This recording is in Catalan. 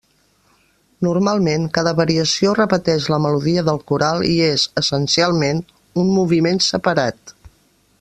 Normalment, cada variació repeteix la melodia del coral i és, essencialment, un moviment separat.